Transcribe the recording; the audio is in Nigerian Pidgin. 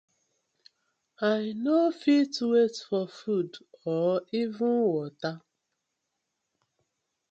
I no fit wait for food or even watta.